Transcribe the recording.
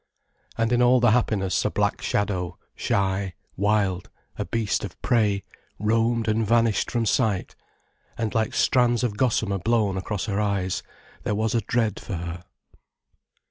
And in all the happiness a black shadow, shy, wild, a beast of prey, roamed and vanished from sight, and like strands of gossamer blown across her eyes, there was a dread for her.